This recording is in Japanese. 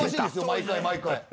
毎回。